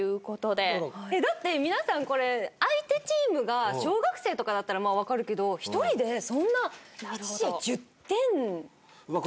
だって皆さんこれ相手チームが小学生とかだったら分かるけど１人でそんな１試合１０点取れます？